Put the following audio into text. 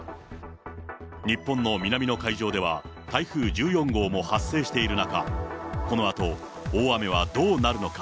日本の南の海上では、台風１４号も発生している中、このあと大雨はどうなるのか。